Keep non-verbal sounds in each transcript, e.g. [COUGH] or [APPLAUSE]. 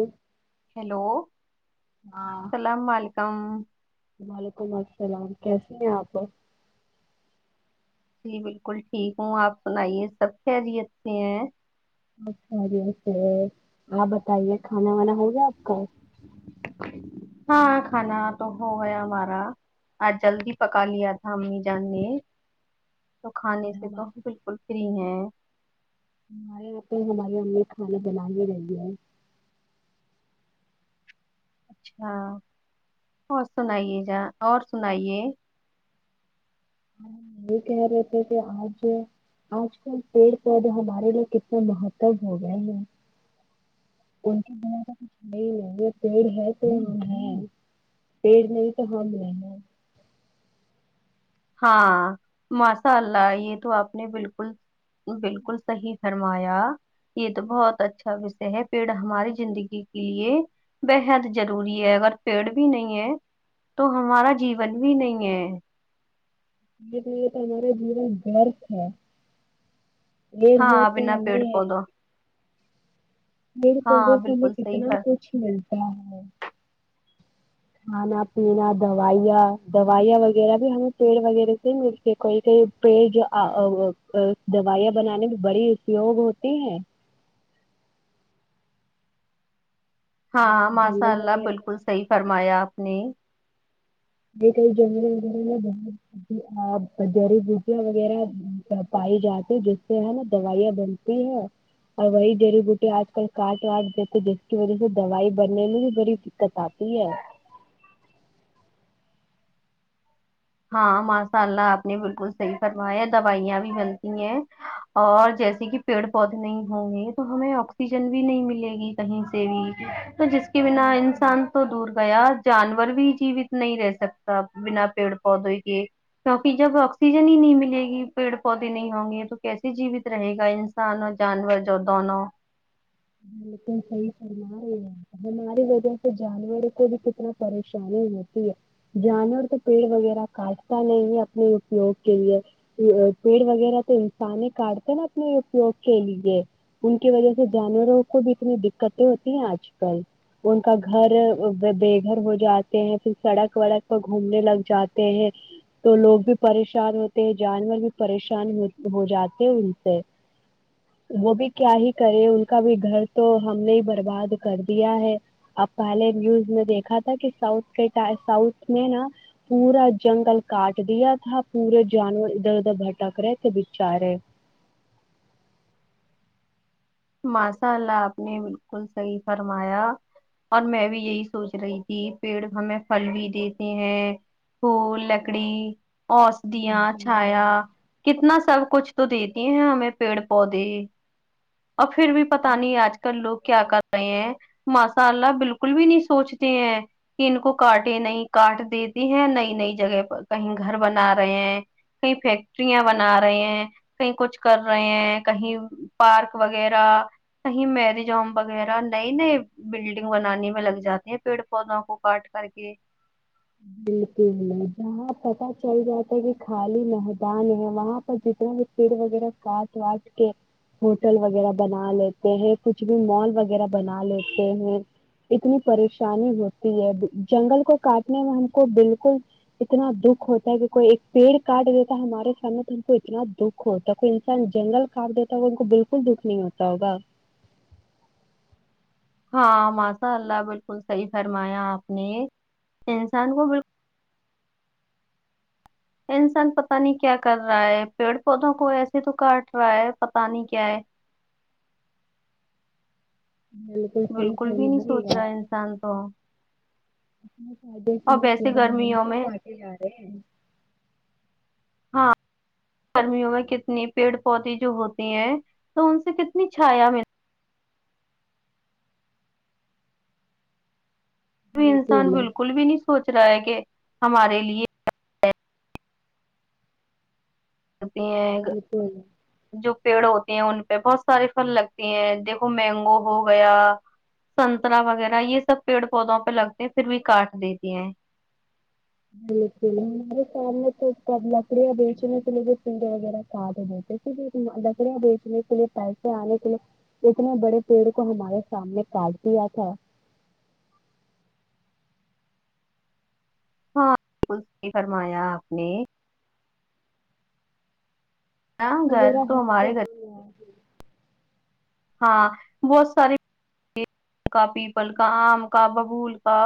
ہمم hello ہاں السلام علیکم ہمم وعلیکم السلام کیسی ہیں آپ جی بالکل ٹھیک ہوں آپ سنائیے سب خیریت سے ہیں اچھا جیسے آپ بتائیے کھانا وانا ہو گیا آپ کا ہاں کھانا تو ہو گیا ہمارا آج جلدی پکا لیا تھا امی جان نے تو کھانے سے ہم تو بالکل فری ہیں اں پہ ہماری امی کھانا بنے رہی ہے اچھا اور سنائیے جا اور سنائیے اور ہم یہ کہہ رہے تھے کہ آج آج کل پیڑ پودے ہمارے لیے کتنے مہتب ہو گئے ہیں ان کے بنا تو کچھ نہیں لیں گے پیڑ ہے تو ہم ہے پیڑ نہیں تو ہم لیں گے ہاں ماشاء اللہ یہ تو آپ نے بالکل بالکل صحیح فرمایا یہ تو بہت اچھا وشے ہے پیڑ ہماری زندگی کے لیے بےحد ضروری ہے اگر پیڑ بھی نہیں ہے تو ہمارا جیون بھی نہیں ہے یہ تو یہ تو ہمارا جیون گر ہے بیر ب ہاں تو بنا ہمے پیڑ پودوں میے ہاں پڈس ہمیں بالکل صحیح کتنا فر کچھ ملتا ہے کھانا پینا دوائیاں دوائیاں وغیرہ بھی ہمیں پیڑ وغیرہ سے ملتے کوئی کہئی پیڑ جو دوائیاں بنانے میں بڑی اپیوگ ہوتی ہیں ہاں ہاں جنگل ماشاء اللہ وغیرہ بالکل صحیح فرمایا آپ میں یہ کئی جنگلے وغیرہ میں بت جڑی بوٹیاں وغیرہ پائی جاتی جس سے ہے نا دوائیاں بنتی ہیں اور وہی جڑی بوٹییاں آج کل کاٹ وٹ دیتے جس کی وجہ سے دوائی بننے میں بھی بڑی دقت آتی ہے ہاں ماشاء اللہ آپ نے بالکل صحیح کروایا دوائیاں بھی بنتی ہیں اور جیسے کہ پیڑ پودے نہیں ہوں گے تو ہمیں آکسیجن بھی نہیں ملے گی کہیں سے بھی تو جس کے بنا انسان تو دور گیا جانور بھی جیوت نہیں رہ سکتا بنا پیڑ پودے کے کیونکہ جب آکسیجن ہی نہیں ملے گی پیڑ پودے نہیں ہوں گے تو کیسے جیوت رہے گا انسان اور جانور دونوں لیکن صحیح فرم رہے ہیں ہماری وجہ سے جانور کو بھی کتنا پریشانی ہوتی ہے جانور تو پیڑ وغیرہ کاٹتا نہیں اپنے اپیوگ کے لیے پیڑ وغیرہ تو انسان ہی کاٹتے نا اپنے اپیوگ کے لیے ان کی وجہ سے جانوروں اتنی دقتیں ہوتی ہیں آج کل ان کا گھر بے گھر ہو جاتے ہیں پھر سڑک وڑک پر گھومنے لگ جاتے ہیں تو لوگ بھی پریشان ہوتے ہیں جانور بھی پریشان ہو جاتے ہیں ان سے وہ بھی کیا ہی کرے ان کا بھی گھر تو ہم نے ہی برباد کر دیا ہے اب پہلے نیوز میں دیکھا تھا کہ ساؤتھ کے ساؤتھ میں نا پورا جنگل کاٹ دیا تھا پورے جانور ادھر ادھر بھٹک رہے کہ بچا رہے ماشاء اللہ آپ نے بالکل صحیح فرمایا اور میں بھی یہی سوچ رہی تھی پیڑ ہمیں پھل بھی دیتے ہیں پھول لکڑی [UNINTELLIGIBLE] اچھایا کتنا سب کچھ تو دیتی ہیں ہمیں پیڑ پودے اور پھر بھی پتا نہیں آج کل لگ کیا کرتے رہے ہیں ماشاء اللہ بالکل بھی نہیں سوچتے ہیں کہ ان کو کاٹے نہیںئی کاٹ دیتی ہیں نئی نئی جگہ پر کہیں گھر بنا رہے ہیں کہئی فیکٹریاں بنا رہے ہیں کہیں کچھ کر رہے ہیں کہیں پارک وغیرہ کہیں میرج ہوم وغیرہ نئی نئے بلڈنگ بنانے میں لگ جاتے ہیں پیڑ پودوں کو کاٹ کر کے بالکل جہاں پت چل جاتا ہے کہ خالی میدان ہے وہاں پر جتنا بھی پیڑ وغیرہ کاٹ واٹ کے ہوٹل وغیرہ بنا لیتے ہیں کچھ بھی مال وغیرہ بنا لیتے ہیں اتنی پریشانی ہوتی ہے جنگل کو کاٹ سنے میں ہم کو بالکل اتنا دکھ ہوتا ہے کہ کوئی ایک پیڑ کاٹ دیتا ہے ہمارے سامنے تو ہم کو اتنا دکھ ہوتا ہے کوئی انسان جنگل کاٹ دیتا ہے ہو ان کو بالکل دکھ نہیں ہوتا ہوگا ہاں ماشاء اللہ بالکل صحیح فرمایا آپ نے انسان کو بالکل انسان پتا نہیں کیا کر رہا ہے پیڑ پودوں کو ایسے تو کاٹ رہا ہے پتا نہیں کیا ہے بالکل صحیح بھی فرم نہیں رہی سوچ رہا ہے انسان تو اپنے فدے کے اور تین ویسے مہینے گرمیوں سے میں کاٹے جا رہے ہیں ہاں گرمیوں میں کتنی پیڑ پودے جو ہوتے ہیں تو ان سے کتنی چھایا مل انسان بالکل بھی نہیں سوچ رہا ہے کہ ہمارے لیے تی ہیں بالکل جو پیڑ ہوتے ہیں ان پہ بہت سارے پھل لگتے ہیں دیکھو مینگو ہو گیا سنترا وغیرہ یہ سب پیڑ پودوں پہ لگتے ہیں پھر بھی کاٹ دیتی ہیں بالکل میرے سامنے تو لکڑیاں بیچنے کے لیے پگے وغیرہ کاد گئے تھے لکڑیاں بیچنے کے لیے پیسے آنے کے لیے اتنے بڑے پیڑ کو ہمارے سامنے کاٹ دیا تھا ہاں بالکل صحی فرمایا آپ نے نا گھر وغیرہ ہے تو ہمارے گھر ہاں بہت سارے کا پیپل کا آم کا ببول کا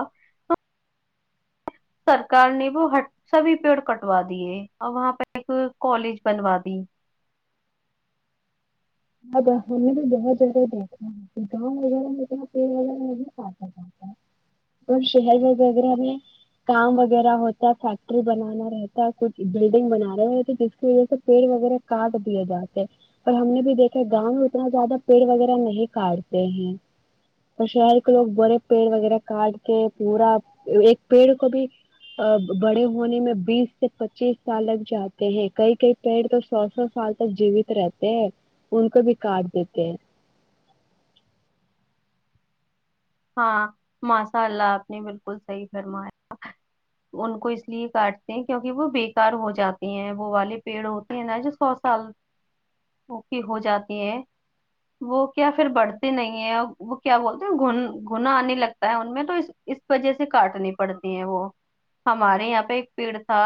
سرکار نے وہ ہ سبھی پیڑ کٹوا دیے اور وہاں پہ ایک کالج بنوا دی ا ہم نے بھی بہت زدہ دیکھا گاؤں وغیرہ میں پیڑ وغیرہ نہیں کاٹا جاتا اور شہر وغیرہ میں کام وغیرہ ہوتا فیکٹری بنانا رہتا کچھ بلڈنگ بنان رہے رہتے جس کی وجہ سے پیڑ وغیرہ کاٹ دیے جاتے ہیں اور ہم نے بھی دیکھ گاؤں میں اتنا زیادہ پیڑ وغیرہ نہیں کاٹتے ہیں تو شہر کے لوگ بڑے پیڑ وغیرہ کاٹتے پورا ایک پیڑ کو بھی بڑے ہونے میں بیس سے پچیس سال لگ جاتے ہیں کئی کئی پیڑ تو سو سو سال تک جیوت رہتے ہیں ان کو بھی کاٹ دیتے ہیں ہاں ماشاء اللہ آپ نے بالکل صحیح فرمایا ان کو اس لیے کاٹتے ہیں کیونکہ وہ بےیکار ہو جات ہیں وہ والے پیڑ ہوتے ہیں نا جو سو سال کی ہو جاتے ہیں وہ کیا پھر بڑھتے نہیں ہیں وہ کیا بولتے ہیں گن گنا انے لگتا ہے ان میں تو اس وجہ سے کاٹنی پڑتی ہیں وہ ہمارے یہاں پہ ایک پیڑ سا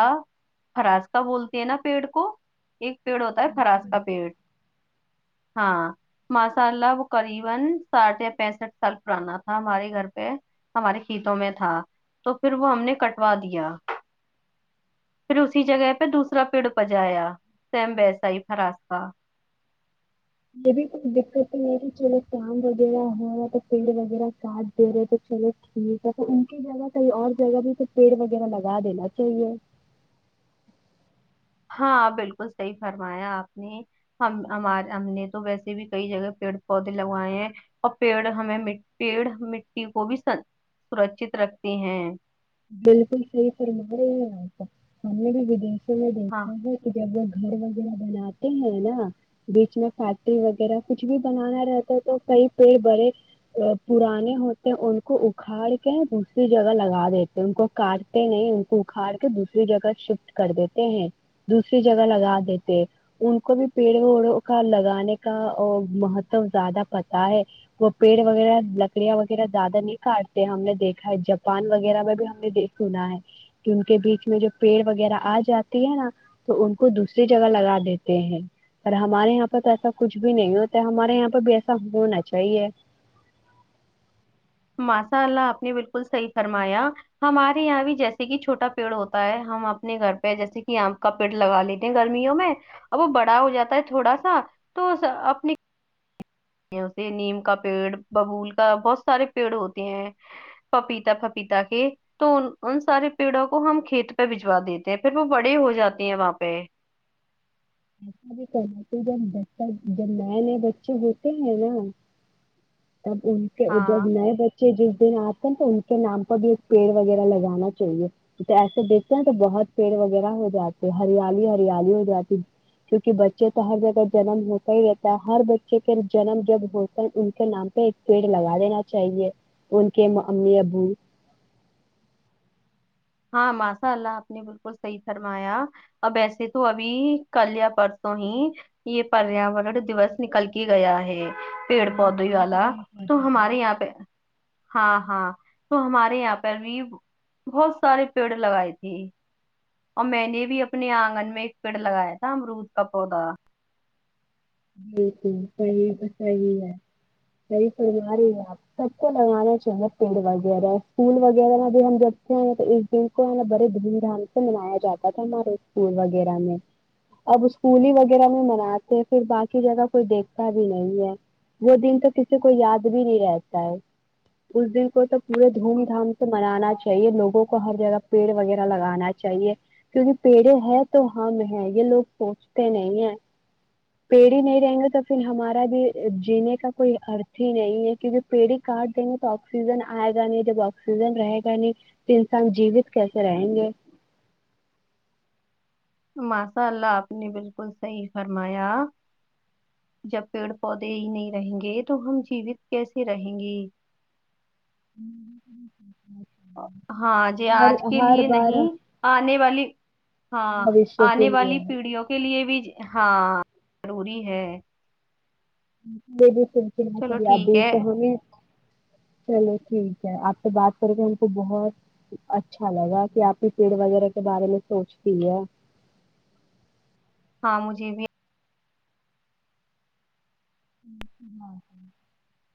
راستہ بولتے ہیں نا پیڑ کو ایک پیڑ ہوتاہے فراز کا پیڑ ماشاءاللہ وہ قریبا ساڑھے پرانا پیسات سال تھا ہمارے گھر پہ ہمارے کھیتوں میں تھا تو پھر وہ ہم نے کٹوا دیا پھر اسی جگہ پہ دوسرا پیڑ پجایا سیم بیسائی فراس کا یہ بھی کوچھ دقت تو نہیں ہے کہ چلو کام وغیرہ ہو رہا ہے تو پیڑ وغیرہ کاٹ دے رہے تو چلو ٹھیک ہے تو ان کی جگہ کہیں اور جگہ بھی تو پیڑ وغیرہ لگا دینا چاہیے ہاں بالکل صحیح فرمایا آپ نے ہمار ہم نے تو ویسے بھی کئی جگہ پیڑ پودے لگوائے ہیں اور پیڑ ہمیں پیڑ مٹی کو بھی سرکچت رکھتے ہیں بالکل صی فر م ہم نے بھیدیش تو میں ہاں دیکھا ہے کہ جب گھر وغیرہ بناتے ہیں نا بیچ میں فیکٹری وغیرہ کچھ بھی بنانا رہتا ہے تو کئی پیڑ بڑے پرانے ہوتے ان کو اکھاڑ کے دوسری جگہ لگا دیتے ان کو کاٹتے نہیں ان کو اکھاڑ کے دوسری جگہ شفٹ کر دیتے ہیں دوسری جگہ لگا دیتے ہیں ان کو بھی پیڑ وڑوں کا لگانے کا مہتو زیادہ پتا ہے وہ پیڑ وغیرہ لکڑیاں وغیرہ زیادہ نہیں کاٹتے ہم نے دیکھا ہے جاپان وغیرہ میں ہم نے دیک سنا ہے کہ ان کے بیچ میں جو پیڑ وغیرہ آ جاتی ہے نا تو ان کو دوسری جگہ لگا دیتے ہیں پر ہمارے یہاں پہ تو ایسا کچھ بھی نہیں ہوتا ہمارے یہاں پہ بھی ایسا ہونا چاہیے ماشاء اللہ آپ نے بالکل صحیح فرمایا ہمارے یہاں بھی جیسے کہ چھوٹا پیڑ ہوتا ہے ہم اپنے گھر پہ جیسے کہ آپ کا پیڑ لگا لیتے ہیں گرمیوں میں اب وہ بڑا ہو جاتا ہے تھوڑا سا تو اپنی یہے نیم کا پیڑ ببول کا بہت سارے پیڑ ہوتے ہیں پپیتا پپیتا کے تو ان ان سارے پیڑوں کو ہم کھیت پہ بھجوا دیتے ہیں پھر وہ بڑے ہو جاتے ہیں وہاں پہ ایسا بھی کرنا جب ب جب نئے نئے بچے ہوتے ہیں نا تب ان سے ہاں جب نہیں ہو جس دن آتے ہیں تو ان کے نام پر بھی ایک پیڑ وغیرہ لگانا چاہیے تو ایسے دیکھتے ہیں تو بہت پیڑ وغیرہ ہو جاتے ہریالی ہریالی ہو جاتی کیونکہ بچے تو ہر جگہ جنم ہوتا ہی رہتا ہے ہر بچے کے جنم جب ہوتا ان کے نام پہ ایک پیڑ لگا دینا چاہیے ان کے امی ابو ہاں ماشاء اللہ آپ نے بالکل صحیح فرمایا اور ویسے تو ابھی کل یا پرسوں ہی یہ پریاورن دوس نکل کے گیا ہے پیڑ ہاں پودے پانچ والا جون کو تو تھا ہمارے یہاں پہ ہاں ہاں تو ہمارے یہاں پر بھی بہت سارے پیڑ لگائے تھی اور میں نے بھی اپنے آنگن میں ایک پیڑ لگایا تھا امرود کا پودا ج صحیح تو صحیح ہے صحیح پلوار ہی ہے آپ سب کو لگانا چاہیے پیڑ وغیرہ اسکول وغیرہ میں بھی ہم جبتے ہیں تو اس دن کو ہے نا بڑے دھوم دھام سے منایا جاتا تھا ہمارے اسکول وغیرہ میں اب اسکول ہی وغیرہ میں مناتے پھر باقی جگہ کوئی دیکھتا بھی نہیں ہے وہ دن تو کسی کو یاد بھی نہیں رہتا ہے اس دن کو تو پورے دھوم دھام سے منانا چاہیے لوگوں کو ہر جگہ پیڑ وغیرہ لگانا چاہیے کیونکہ پیڑے ہے تو ہم ہیں یہ لوگ سوچتے نہیں ہیں پیڑھی نہیں رہیں گے تو پھر ہمارا بھی جینے کا کوئی ارتھ ہی نہیں ہے کیونکہ پیڑھی کاٹ دیں گے تو آکسیجن آئے گا نہیں جب آکسیجن رہے گا نہیں تو انسان جیوت کیسے رہیں گے ماشاء اللہ آپ نے بالکل صحیح فرمایا جب پیڑ پودے ہی نہیں رہیں گے تو ہم جیوت کیسے رہیں گے [UNINTELLIGIBLE] ہاں ج ہر آج کے ہر لیے بار نہیں آنے والی ہاں بوشیہ کے آنے لیے والی پیڑھیوں کے لیے بھی ہاں ضروری ہے [UNINTELLIGIBLE] چلو سیاد ٹھیک ہے سے ہوئے چلو ٹھیک ہے آپ سے بات کر کے ان کو بہت اچھا لگا کہ آپ کی پیڑ وغیرہ کے بارے میں سوچتی ہے ہاں مجھے بھی ہ ہاں ہ [UNINTELLIGIBLE]